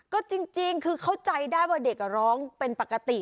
ก็จริงคือเข้าใจได้ว่าเด็กร้องเป็นปกติ